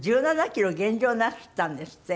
１７キロ減量なすったんですって？